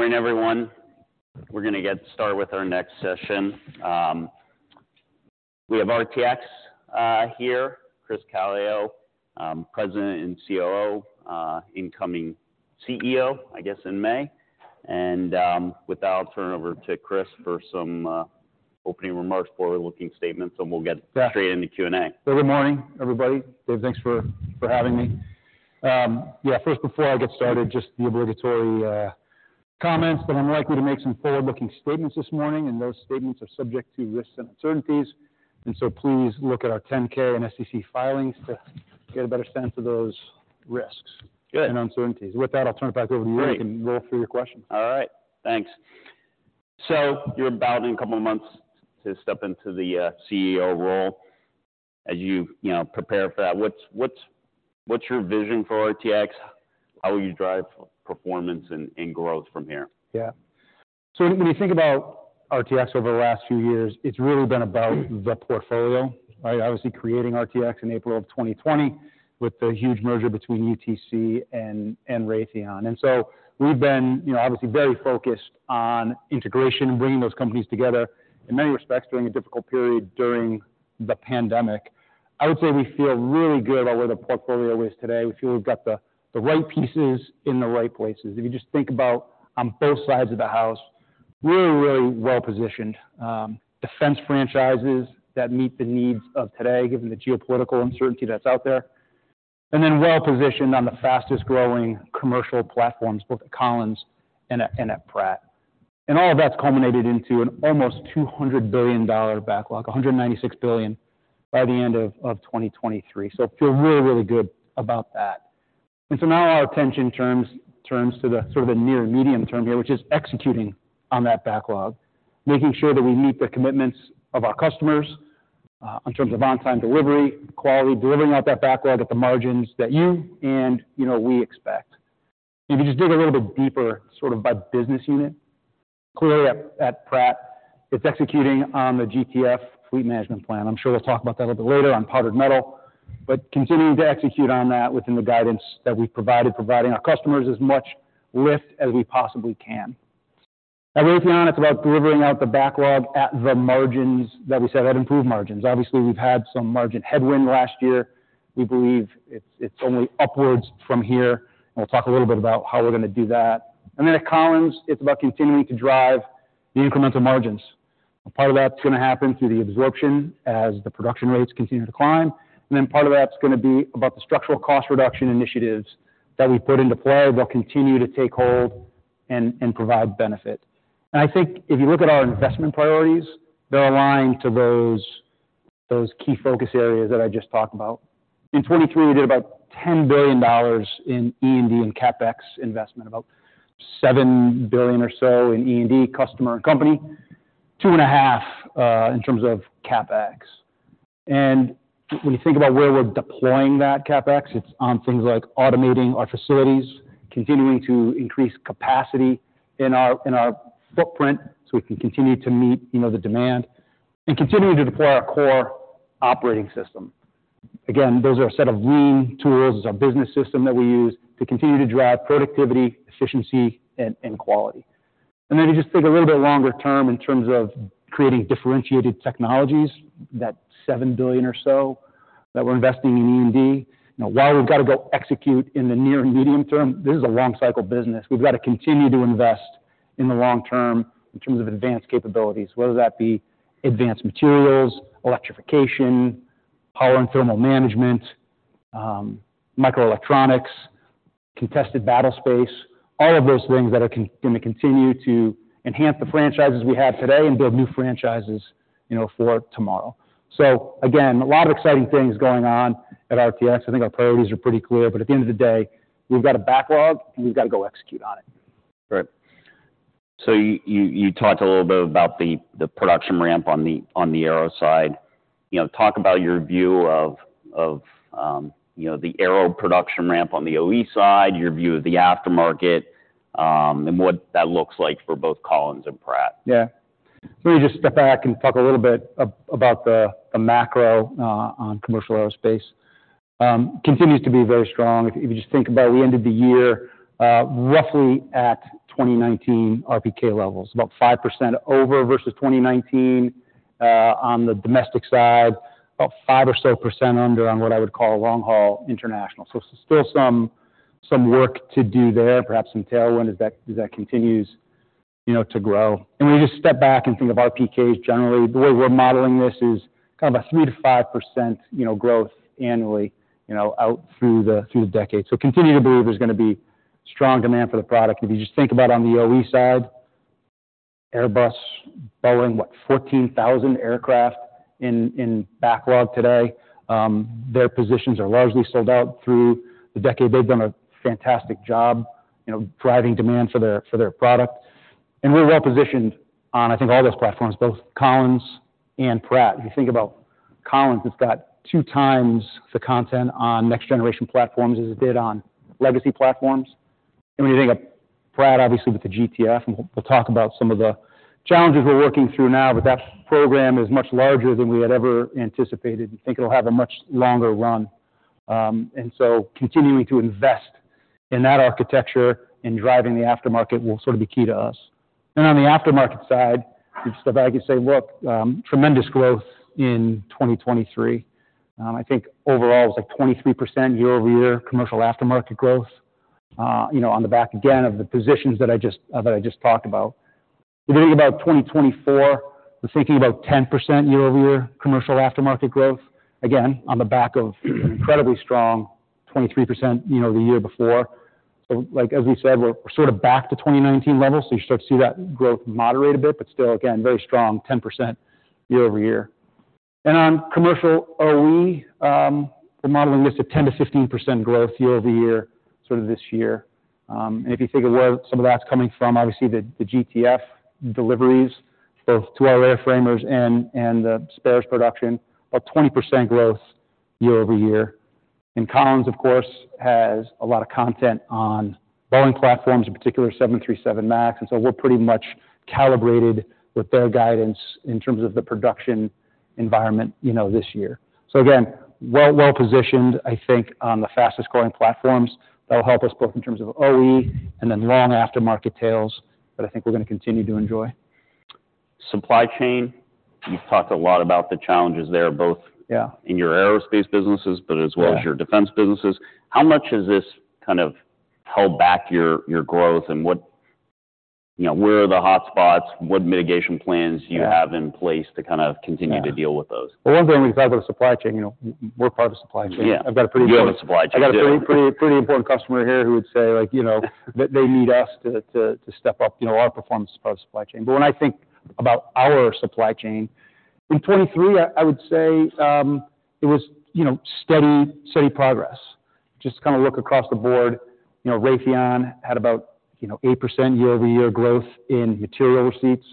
Morning, everyone. We're gonna get started with our next session. We have RTX here, Chris Calio, President and COO, incoming CEO, I guess, in May. With that, I'll turn it over to Chris for some opening remarks before forward-looking statements, and we'll get straight into Q&A. Yeah. Good morning, everybody. Dave, thanks for having me. Yeah, first, before I get started, just the obligatory comments that I'm likely to make some forward-looking statements this morning, and those statements are subject to risks and uncertainties. And so please look at our 10-K and SEC filings to get a better sense of those risks and uncertainties. Good. With that, I'll turn it back over to you, and we can roll through your questions. All right. Thanks. So you're about in a couple of months to step into the CEO role. As you know, prepare for that, what's your vision for RTX? How will you drive performance and growth from here? Yeah. So when you think about RTX over the last few years, it's really been about the portfolio, right? Obviously, creating RTX in April of 2020 with the huge merger between UTC and Raytheon. And so we've been, you know, obviously very focused on integration and bringing those companies together. In many respects, during a difficult period during the pandemic, I would say we feel really good about where the portfolio is today. We feel we've got the right pieces in the right places. If you just think about, on both sides of the house, we're really well-positioned, defense franchises that meet the needs of today, given the geopolitical uncertainty that's out there, and then well-positioned on the fastest-growing commercial platforms, both at Collins and at Pratt. All of that's culminated into an almost $200 billion backlog, $196 billion, by the end of 2023. So we feel really, really good about that. Now our attention turns to the sort of the near-medium term here, which is executing on that backlog, making sure that we meet the commitments of our customers, in terms of on-time delivery, quality, delivering out that backlog at the margins that you and, you know, we expect. And if you just dig a little bit deeper, sort of by business unit, clearly at Pratt, it's executing on the GTF fleet management plan. I'm sure we'll talk about that a little bit later on powdered metal, but continuing to execute on that within the guidance that we've provided, providing our customers as much lift as we possibly can. At Raytheon, it's about delivering out the backlog at the margins that we said had improved margins. Obviously, we've had some margin headwind last year. We believe it's, it's only upwards from here, and we'll talk a little bit about how we're gonna do that. And then at Collins, it's about continuing to drive the incremental margins. Part of that's gonna happen through the absorption as the production rates continue to climb. And then part of that's gonna be about the structural cost reduction initiatives that we put into play that'll continue to take hold and, and provide benefit. And I think if you look at our investment priorities, they're aligned to those, those key focus areas that I just talked about. In 2023, we did about $10 billion in E&D and CapEx investment, about $7 billion or so in E&D, customer, and company, $2.5, in terms of CapEx. And when you think about where we're deploying that CapEx, it's on things like automating our facilities, continuing to increase capacity in our footprint so we can continue to meet, you know, the demand, and continuing to deploy our CORE operating system. Again, those are a set of lean tools. It's our business system that we use to continue to drive productivity, efficiency, and quality. And then if you just think a little bit longer term in terms of creating differentiated technologies, that $7 billion or so that we're investing in E&D, you know, while we've gotta go execute in the near and medium term, this is a long-cycle business. We've gotta continue to invest in the long term in terms of advanced capabilities, whether that be advanced materials, electrification, power and thermal management, microelectronics, contested battlespace, all of those things that are gonna continue to enhance the franchises we have today and build new franchises, you know, for tomorrow. So again, a lot of exciting things going on at RTX. I think our priorities are pretty clear. But at the end of the day, we've got a backlog, and we've gotta go execute on it. Right. So you talked a little bit about the production ramp on the aero side. You know, talk about your view of, you know, the aero production ramp on the OE side, your view of the aftermarket, and what that looks like for both Collins and Pratt. Yeah. Let me just step back and talk a little bit about the macro on commercial aerospace. It continues to be very strong. If you just think about we ended the year, roughly at 2019 RPK levels, about 5% over versus 2019, on the domestic side, about 5% or so under on what I would call long-haul international. So still some work to do there, perhaps some tailwind as that continues, you know, to grow. And when you just step back and think of RPKs generally, the way we're modeling this is kind of a 3%-5%, you know, growth annually, you know, out through the decade. So continue to believe there's gonna be strong demand for the product. And if you just think about on the OE side, Airbus, Boeing, what, 14,000 aircraft in backlog today. Their positions are largely sold out through the decade. They've done a fantastic job, you know, driving demand for their for their product. And we're well-positioned on, I think, all those platforms, both Collins and Pratt. If you think about Collins, it's got two times the content on next-generation platforms as it did on legacy platforms. And when you think of Pratt, obviously, with the GTF, and we'll, we'll talk about some of the challenges we're working through now, but that program is much larger than we had ever anticipated and think it'll have a much longer run. And so continuing to invest in that architecture and driving the aftermarket will sort of be key to us. On the aftermarket side, you just step back and say, "Look, tremendous growth in 2023." I think overall, it was like 23% year-over-year commercial aftermarket growth, you know, on the back, again, of the positions that I just talked about. If you think about 2024, we're thinking about 10% year-over-year commercial aftermarket growth, again, on the back of an incredibly strong 23%, you know, the year before. So, like, as we said, we're sort of back to 2019 levels. So you start to see that growth moderate a bit, but still, again, very strong 10% year-over-year. And on commercial OE, we're modeling this at 10%-15% growth year-over-year, sort of this year. And if you think of where some of that's coming from, obviously, the GTF deliveries, both to our air framers and the spares production, about 20% growth year-over-year. And Collins, of course, has a lot of content on Boeing platforms, in particular 737 MAX. And so we're pretty much calibrated with their guidance in terms of the production environment, you know, this year. So again, well, well-positioned, I think, on the fastest-growing platforms. That'll help us both in terms of OE and then long aftermarket tails that I think we're gonna continue to enjoy. Supply chain. You've talked a lot about the challenges there, both in your aerospace businesses but as well as your defense businesses. How much has this kind of held back your, your growth? And what, you know, where are the hotspots? What mitigation plans do you have in place to kind of continue to deal with those? Well, one thing, when you talk about the supply chain, you know, we're part of the supply chain. I've got a pretty important. Yeah. You have a supply chain. I've got a pretty, pretty, pretty important customer here who would say, like, you know, that they need us to step up, you know, our performance as part of the supply chain. But when I think about our supply chain, in 2023, I would say, it was, you know, steady, steady progress. Just kinda look across the board, you know, Raytheon had about, you know, 8% year-over-year growth in material receipts.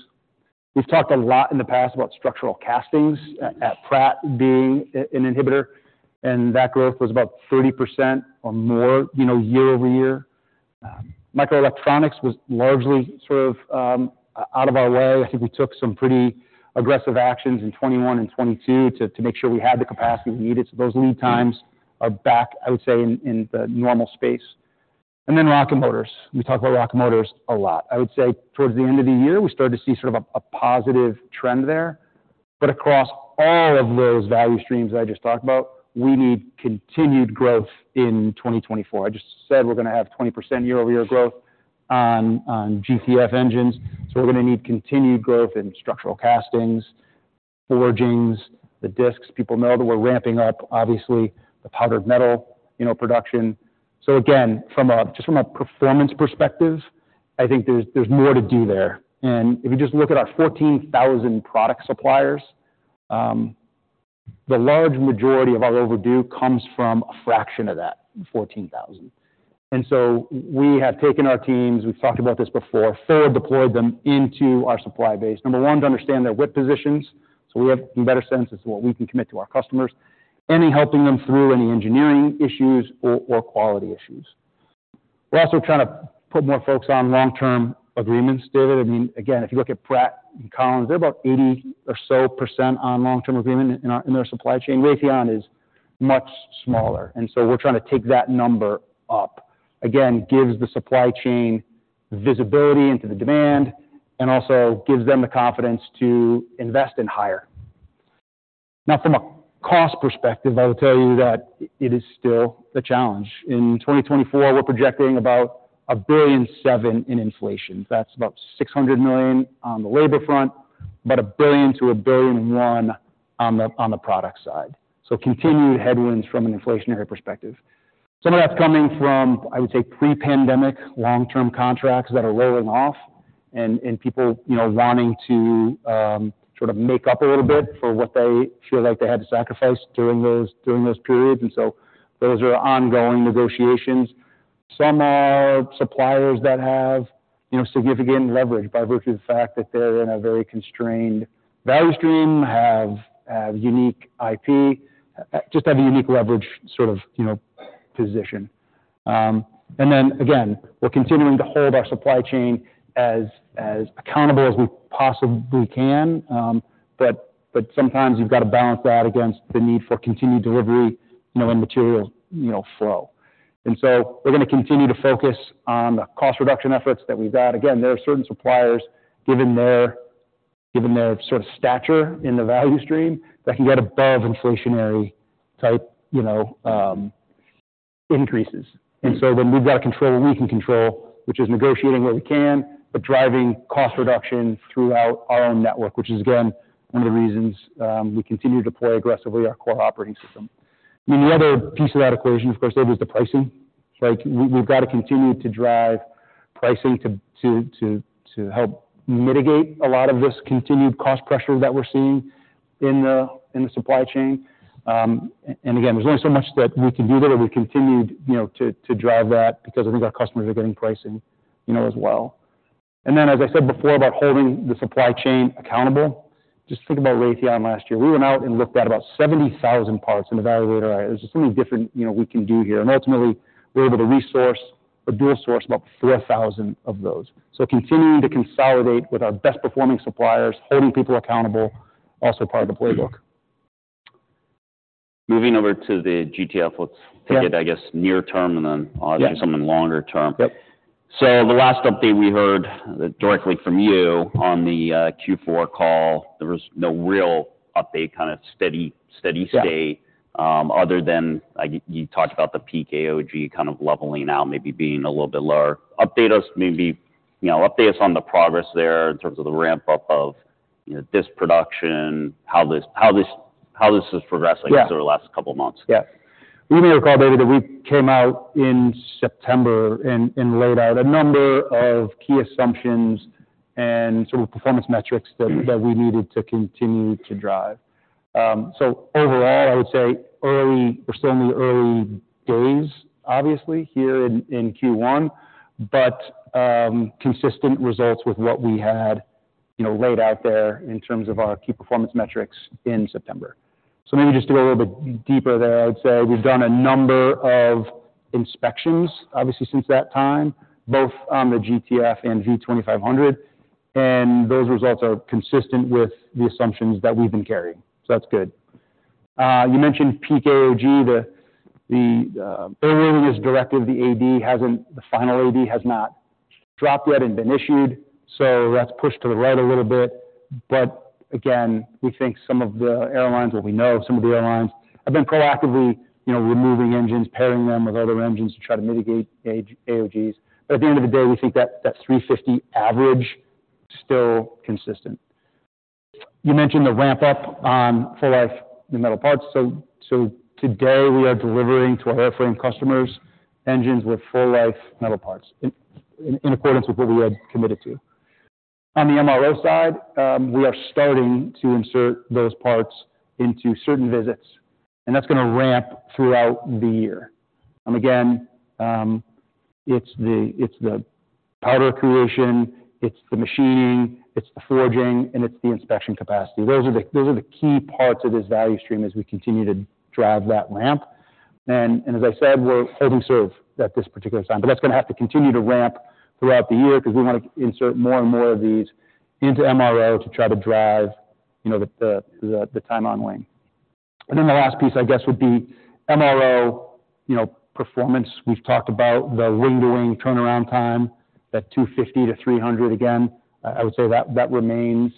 We've talked a lot in the past about structural castings at Pratt being an inhibitor, and that growth was about 30% or more, you know, year-over-year. Microelectronics was largely sort of out of our way. I think we took some pretty aggressive actions in 2021 and 2022 to make sure we had the capacity we needed. So those lead times are back, I would say, in the normal space. And then Rocket Motors. We talk about Rocket Motors a lot. I would say towards the end of the year, we started to see sort of a, a positive trend there. But across all of those value streams that I just talked about, we need continued growth in 2024. I just said we're gonna have 20% year-over-year growth on, on GTF engines. So we're gonna need continued growth in structural castings, forgings, the discs. People know that we're ramping up, obviously, the powdered metal, you know, production. So again, from a just from a performance perspective, I think there's, there's more to do there. And if you just look at our 14,000 product suppliers, the large majority of our overdue comes from a fraction of that, 14,000. And so we have taken our teams - we've talked about this before - forward-deployed them into our supply base, number one, to understand their WIP positions. So we have a better sense as to what we can commit to our customers, and in helping them through any engineering issues or quality issues. We're also trying to put more folks on long-term agreements, David. I mean, again, if you look at Pratt and Collins, they're about 80% or so on long-term agreement in their supply chain. Raytheon is much smaller. And so we're trying to take that number up. Again, gives the supply chain visibility into the demand and also gives them the confidence to invest and hire. Now, from a cost perspective, I will tell you that it is still a challenge. In 2024, we're projecting about $1.7 billion in inflation. That's about $600 million on the labor front, about $1 billion-$1.1 billion on the product side. So continued headwinds from an inflationary perspective. Some of that's coming from, I would say, pre-pandemic long-term contracts that are rolling off and people, you know, wanting to, sort of make up a little bit for what they feel like they had to sacrifice during those periods. And so those are ongoing negotiations. Some are suppliers that have, you know, significant leverage by virtue of the fact that they're in a very constrained value stream, have unique IP, just have a unique leverage sort of, you know, position. And then again, we're continuing to hold our supply chain as accountable as we possibly can. But sometimes you've gotta balance that against the need for continued delivery, you know, and material, you know, flow. And so we're gonna continue to focus on the cost reduction efforts that we've got. Again, there are certain suppliers, given their sort of stature in the value stream, that can get above inflationary type, you know, increases. And so then we've gotta control what we can control, which is negotiating what we can but driving cost reduction throughout our own network, which is, again, one of the reasons we continue to deploy aggressively our CORE operating system. I mean, the other piece of that equation, of course, David, is the pricing. So like, we've gotta continue to drive pricing to help mitigate a lot of this continued cost pressure that we're seeing in the supply chain. And again, there's only so much that we can do there, but we've continued, you know, to drive that because I think our customers are getting pricing, you know, as well. And then, as I said before about holding the supply chain accountable, just think about Raytheon last year. We went out and looked at about 70,000 parts in the Value Stream. There's just so many different, you know, we can do here. And ultimately, we were able to resource or dual-source about 4,000 of those. So continuing to consolidate with our best-performing suppliers, holding people accountable, also part of the playbook. Moving over to the GTF, let's take it, I guess, near-term and then, obviously, something longer term. Yep. So the last update we heard directly from you on the Q4 call, there was no real update, kind of steady state, other than I guess you talked about the peak AOG kind of leveling out, maybe being a little bit lower. Update us maybe, you know, update us on the progress there in terms of the ramp-up of, you know, disc production, how this is progressing over the last couple months. Yeah. Yeah. You may recall, David, that we came out in September and laid out a number of key assumptions and sort of performance metrics that we needed to continue to drive. So overall, I would say we're still in the early days, obviously, here in Q1, but consistent results with what we had, you know, laid out there in terms of our key performance metrics in September. So maybe just to go a little bit deeper there, I would say we've done a number of inspections, obviously, since that time, both on the GTF and V2500. And those results are consistent with the assumptions that we've been carrying. So that's good. You mentioned peak AOG. The airworthiness directive, the AD, hasn't. The final AD has not dropped yet and been issued. So that's pushed to the right a little bit. But again, we think some of the airlines—well, we know some of the airlines have been proactively, you know, removing engines, pairing them with other engines to try to mitigate AOGs. But at the end of the day, we think that 350 average is still consistent. You mentioned the ramp-up on full-life new metal parts. So today, we are delivering to our airframe customers engines with full-life metal parts in accordance with what we had committed to. On the MRO side, we are starting to insert those parts into certain visits. And that's gonna ramp throughout the year. Again, it's the powder creation. It's the machining. It's the forging. And it's the inspection capacity. Those are the key parts of this value stream as we continue to drive that ramp. And as I said, we're holding serve at this particular time. But that's gonna have to continue to ramp throughout the year 'cause we wanna insert more and more of these into MRO to try to drive, you know, the Time on Wing. And then the last piece, I guess, would be MRO, you know, performance. We've talked about the wing-to-wing turnaround time, that 250-300. Again, I would say that remains,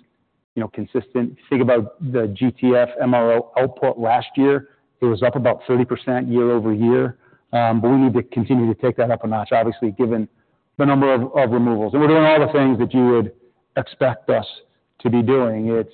you know, consistent. If you think about the GTF MRO output last year, it was up about 30% year-over-year. But we need to continue to take that up a notch, obviously, given the number of removals. And we're doing all the things that you would expect us to be doing.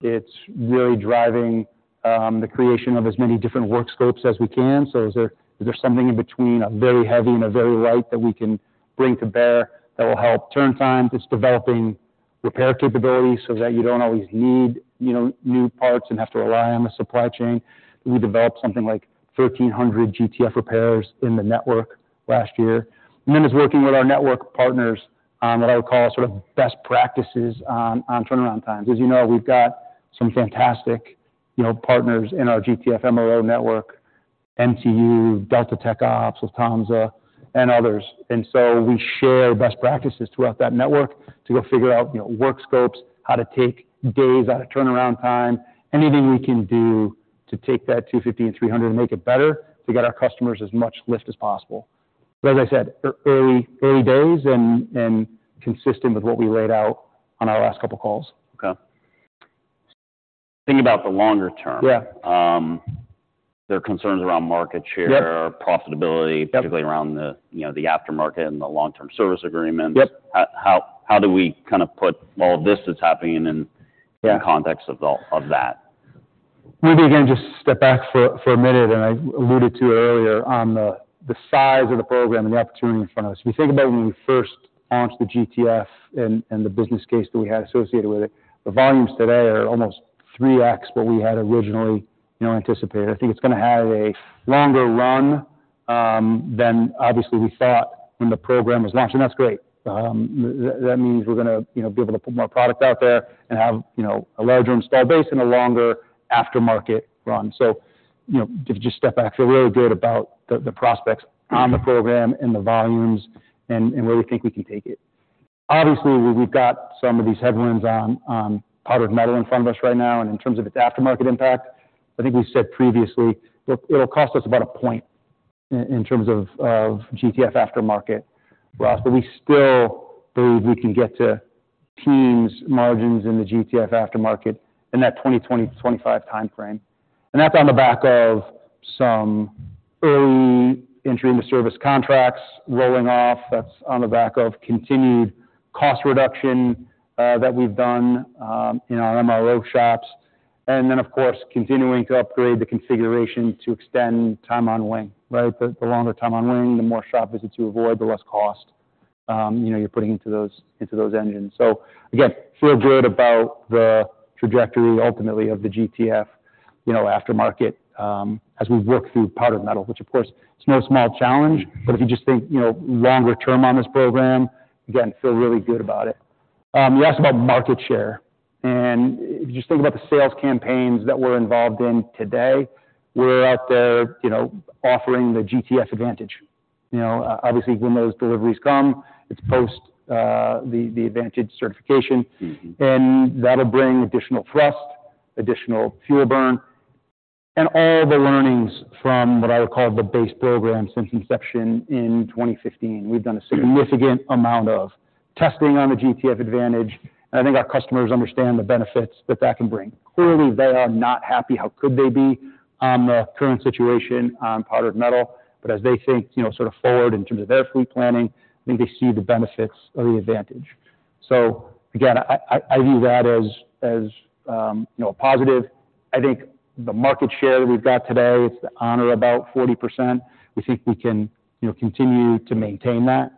It's really driving the creation of as many different work scopes as we can. So is there something in between a very heavy and a very light that we can bring to bear that will help turn time? It's developing repair capabilities so that you don't always need, you know, new parts and have to rely on the supply chain. We developed something like 1,300 GTF repairs in the network last year. And then it's working with our network partners on what I would call sort of best practices on turnaround times. As you know, we've got some fantastic, you know, partners in our GTF MRO network, MTU, Delta TechOps with Lufthansa, and others. So we share best practices throughout that network to go figure out, you know, work scopes, how to take days out of turnaround time, anything we can do to take that 250 and 300 and make it better to get our customers as much lift as possible. But as I said, early days and consistent with what we laid out on our last couple calls. Okay. Thinking about the longer term. Yeah. There are concerns around market share, profitability, particularly around the, you know, the aftermarket and the long-term service agreements. Yep. How, how do we kinda put all of this that's happening in, in context of the of that? Maybe, again, just step back for a minute. I alluded to it earlier on the size of the program and the opportunity in front of us. If you think about when we first launched the GTF and the business case that we had associated with it, the volumes today are almost 3x what we had originally, you know, anticipated. I think it's gonna have a longer run than obviously we thought when the program was launched. And that's great. That means we're gonna, you know, be able to put more product out there and have, you know, a larger installed base and a longer aftermarket run. So, you know, if you just step back, feel really good about the prospects on the program and the volumes and where we think we can take it. Obviously, we've got some of these headwinds on Powdered Metal in front of us right now. And in terms of its aftermarket impact, I think we said previously, well, it'll cost us about a point in terms of GTF aftermarket for us. But we still believe we can get to teens' margins in the GTF aftermarket in that 2020-25 timeframe. And that's on the back of some early entry-into-service contracts rolling off. That's on the back of continued cost reduction that we've done in our MRO shops. And then, of course, continuing to upgrade the configuration to extend Time on Wing, right? The longer Time on Wing, the more shop visits you avoid, the less cost, you know, you're putting into those engines. So again, feel good about the trajectory, ultimately, of the GTF, you know, aftermarket, as we work through Powdered Metal, which, of course, it's no small challenge. But if you just think, you know, longer term on this program, again, feel really good about it. You asked about market share. And if you just think about the sales campaigns that we're involved in today, we're out there, you know, offering the GTF Advantage. You know, obviously, when those deliveries come, it's post the Advantage certification. Mm-hmm. That'll bring additional thrust, additional fuel burn, and all the learnings from what I would call the base program since inception in 2015. We've done a significant amount of testing on the GTF Advantage. And I think our customers understand the benefits that that can bring. Clearly, they are not happy - how could they be - on the current situation on Powdered Metal. But as they think, you know, sort of forward in terms of their fleet planning, I think they see the benefits of the Advantage. So again, I view that as, you know, a positive. I think the market share that we've got today, it's on the order of about 40%. We think we can, you know, continue to maintain that.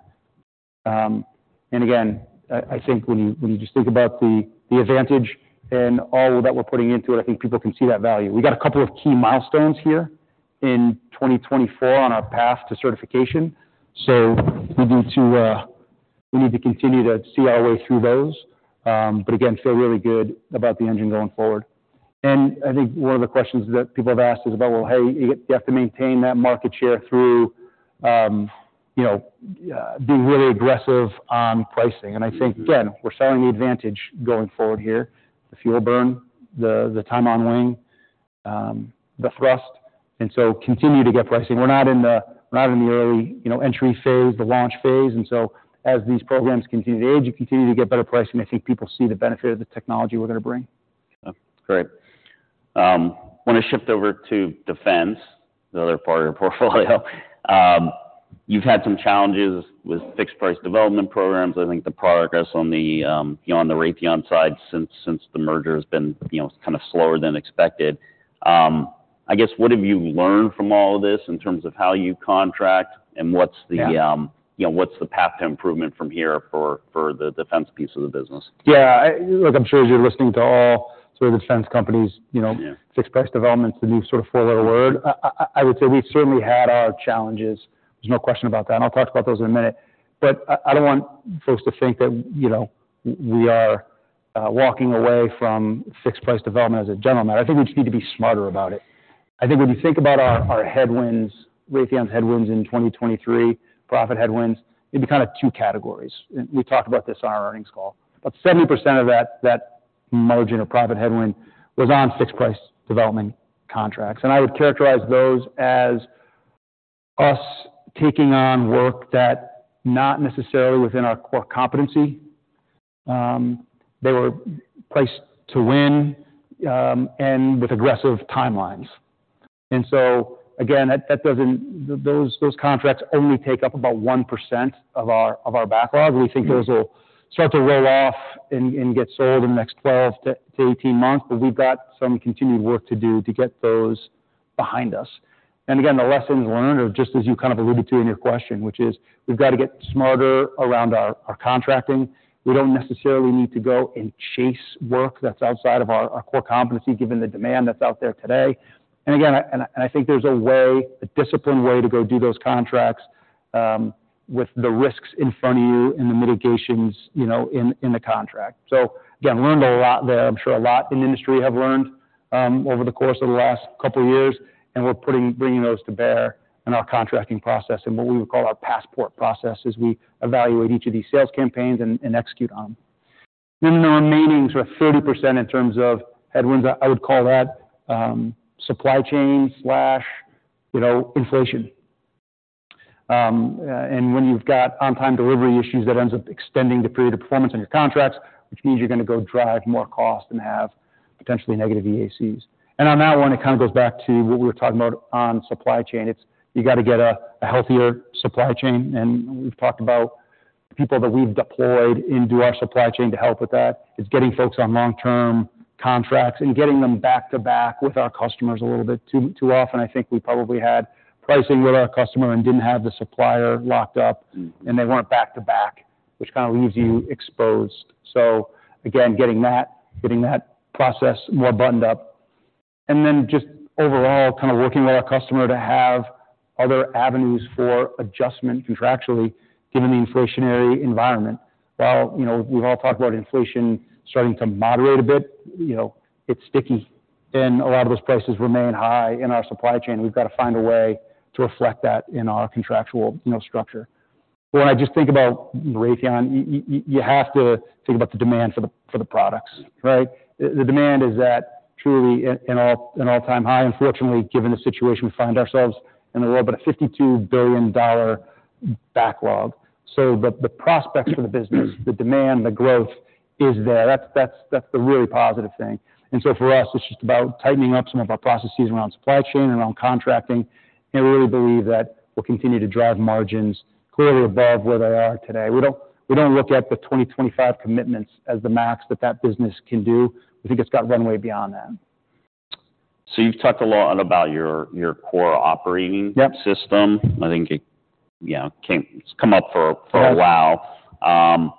Again, I think when you just think about the Advantage and all that we're putting into it, I think people can see that value. We got a couple of key milestones here in 2024 on our path to certification. So we need to continue to see our way through those. But again, feel really good about the engine going forward. And I think one of the questions that people have asked is about, "Well, hey, you have to maintain that market share through, you know, being really aggressive on pricing." And I think, again, we're selling the Advantage going forward here, the fuel burn, the Time on Wing, the thrust. And so continue to get pricing. We're not in the early, you know, entry phase, the launch phase. As these programs continue to age, you continue to get better pricing. I think people see the benefit of the technology we're gonna bring. Okay. Great. Wanna shift over to defense, the other part of your portfolio. You've had some challenges with fixed-price development programs. I think the progress on the, you know, on the Raytheon side since, since the merger has been, you know, kind of slower than expected. I guess, what have you learned from all of this in terms of how you contract and what's the, Yeah. You know, what's the path to improvement from here for the defense piece of the business? Yeah. I'm sure as you're listening to all sort of the defense companies, you know. Yeah. Fixed-price development's the new sort of four-letter word. I would say we've certainly had our challenges. There's no question about that. And I'll talk about those in a minute. But I don't want folks to think that, you know, we are walking away from fixed-price development as a general matter. I think we just need to be smarter about it. I think when you think about our headwinds, Raytheon's headwinds in 2023, profit headwinds, maybe kinda two categories. And we talked about this on our earnings call. About 70% of that margin or profit headwind was on fixed-price development contracts. And I would characterize those as us taking on work that not necessarily within our core competency. They were priced to win, and with aggressive timelines. That doesn't—those contracts only take up about 1% of our backlog. We think those will start to roll off and get sold in the next 12 to 18 months. But we've got some continued work to do to get those behind us. Again, the lessons learned are just as you kind of alluded to in your question, which is we've gotta get smarter around our contracting. We don't necessarily need to go and chase work that's outside of our core competency given the demand that's out there today. Again, I think there's a way, a disciplined way to go do those contracts, with the risks in front of you and the mitigations, you know, in the contract. So again, learned a lot there. I'm sure a lot in the industry have learned, over the course of the last couple years. And we're putting, bringing those to bear in our contracting process and what we would call our passport process as we evaluate each of these sales campaigns and execute on them. And then the remaining sort of 30% in terms of headwinds, I would call that supply chain slash, you know, inflation. And when you've got on-time delivery issues, that ends up extending the period of performance on your contracts, which means you're gonna go drive more cost and have potentially negative EACs. And on that one, it kinda goes back to what we were talking about on supply chain. It's you gotta get a healthier supply chain. And we've talked about the people that we've deployed into our supply chain to help with that. It's getting folks on long-term contracts and getting them back to back with our customers a little bit too, too often. I think we probably had pricing with our customer and didn't have the supplier locked up. Mm-hmm. They weren't back to back, which kinda leaves you exposed. So again, getting that process more buttoned up. Then just overall, kinda working with our customer to have other avenues for adjustment contractually given the inflationary environment. While, you know, we've all talked about inflation starting to moderate a bit, you know, it's sticky. And a lot of those prices remain high in our supply chain. We've gotta find a way to reflect that in our contractual, you know, structure. But when I just think about Raytheon, you have to think about the demand for the products, right? The demand is at truly an all-time high, unfortunately, given the situation we find ourselves in the world, but a $52 billion backlog. So the prospects for the business, the demand, the growth is there. That's the really positive thing. And so for us, it's just about tightening up some of our processes around supply chain and around contracting. And we really believe that we'll continue to drive margins clearly above where they are today. We don't look at the 2025 commitments as the max that business can do. We think it's got runway beyond that. So you've talked a lot about your CORE operating. Yep. System. I think it, you know, came. It's come up for a while. Yes.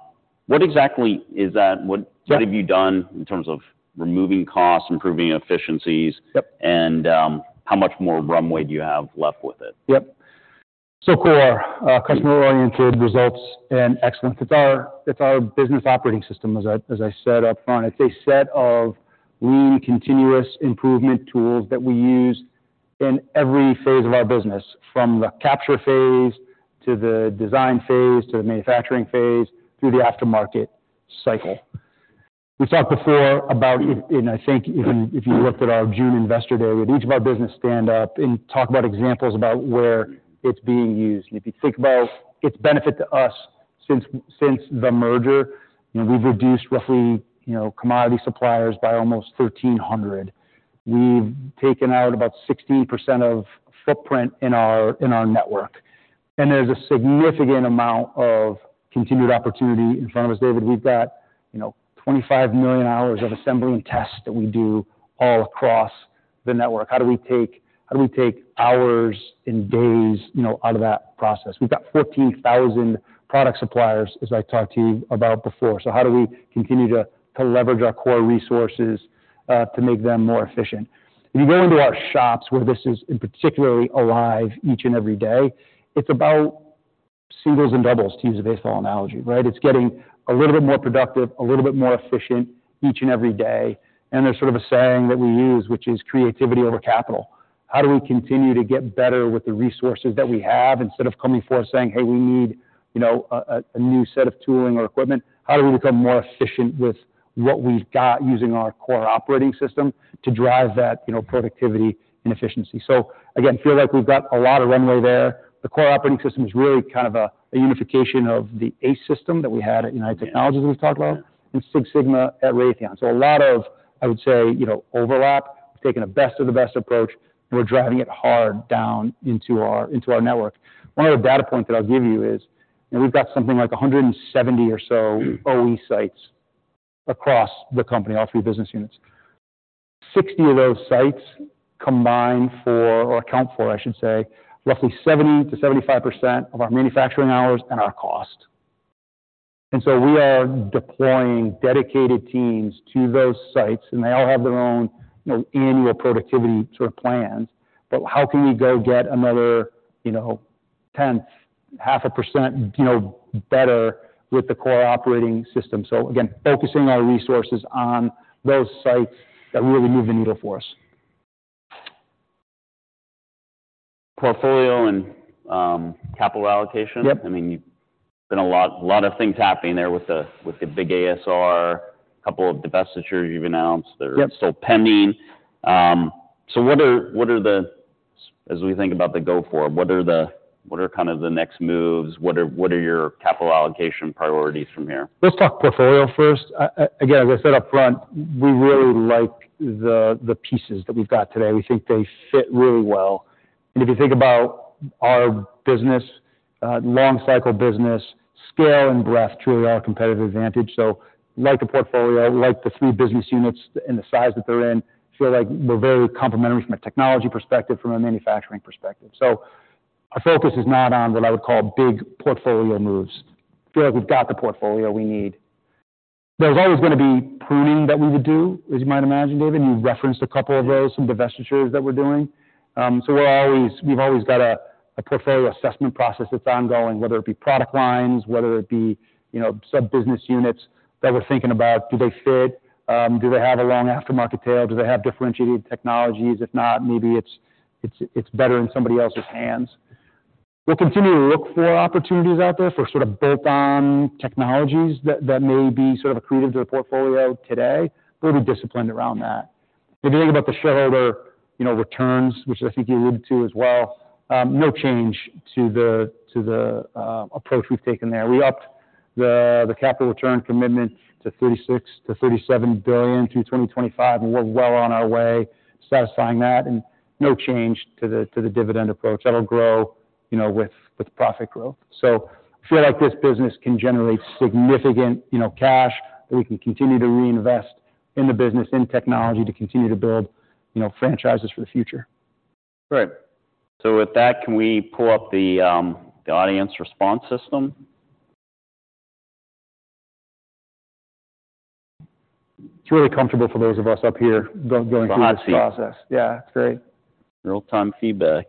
What exactly is that? What, what have you done in terms of removing costs, improving efficiencies? Yep. How much more runway do you have left with it? Yep. So CORE, Customer-Oriented Results and Excellence. It's our business operating system, as I said upfront. It's a set of lean, continuous improvement tools that we use in every phase of our business, from the capture phase to the design phase to the manufacturing phase through the aftermarket cycle. We talked before about if and I think even if you looked at our June investor day, we had each of our business stand up and talk about examples about where it's being used. And if you think about its benefit to us since the merger, you know, we've reduced roughly, you know, commodity suppliers by almost 1,300. We've taken out about 16% of footprint in our network. And there's a significant amount of continued opportunity in front of us, David. We've got, you know, 25 million hours of assembly and tests that we do all across the network. How do we take hours and days, you know, out of that process? We've got 14,000 product suppliers, as I talked to you about before. So how do we continue to leverage our core resources, to make them more efficient? If you go into our shops where this is, in particularly, alive each and every day, it's about singles and doubles, to use a baseball analogy, right? It's getting a little bit more productive, a little bit more efficient each and every day. And there's sort of a saying that we use, which is creativity over capital. How do we continue to get better with the resources that we have instead of coming forth saying, "Hey, we need, you know, a new set of tooling or equipment"? How do we become more efficient with what we've got using our CORE operating system to drive that, you know, productivity and efficiency? So again, feel like we've got a lot of runway there. The CORE operating system is really kind of a unification of the ACE system that we had at United Technologies that we've talked about. Yeah. Six Sigma at Raytheon. So a lot of, I would say, you know, overlap. We've taken a best-of-the-best approach, and we're driving it hard down into our network. One other data point that I'll give you is, you know, we've got something like 170 or so OE sites across the company, all three business units. 60 of those sites combine for or account for, I should say, roughly 70%-75% of our manufacturing hours and our cost. And so we are deploying dedicated teams to those sites. And they all have their own, you know, annual productivity sort of plans. But how can we go get another, you know, 0.1%, 0.5%, you know, better with the CORE operating system? So again, focusing our resources on those sites that really move the needle for us. Portfolio and capital allocation. Yep. I mean, you been a lot of things happening there with the big ASR, a couple of divestitures you've announced. Yep. They're still pending. So what are the asks as we think about the go-forward, what are kind of the next moves? What are your capital allocation priorities from here? Let's talk portfolio first. I, I again, as I said upfront, we really like the, the pieces that we've got today. We think they fit really well. And if you think about our business, long-cycle business, scale and breadth truly are our competitive Advantage. So like the portfolio, like the three business units and the size that they're in, feel like we're very complementary from a technology perspective, from a manufacturing perspective. So our focus is not on what I would call big portfolio moves. Feel like we've got the portfolio we need. There's always gonna be pruning that we would do, as you might imagine, David. You referenced a couple of those, some divestitures that we're doing. So we're always we've always got a, a portfolio assessment process that's ongoing, whether it be product lines, whether it be, you know, sub-business units that we're thinking about. Do they fit? Do they have a long aftermarket tail? Do they have differentiated technologies? If not, maybe it's better in somebody else's hands. We'll continue to look for opportunities out there for sort of bolt-on technologies that may be sort of accretive to the portfolio today. But we'll be disciplined around that. If you think about the shareholder, you know, returns, which I think you alluded to as well, no change to the approach we've taken there. We upped the capital return commitment to $36 billion-$37 billion through 2025. And we're well on our way satisfying that. And no change to the dividend approach. That'll grow, you know, with profit growth. I feel like this business can generate significant, you know, cash that we can continue to reinvest in the business, in technology to continue to build, you know, franchises for the future. Great. So with that, can we pull up the audience response system? It's really comfortable for those of us up here going through this process. The hot seat. Yeah. It's great. Real-time feedback.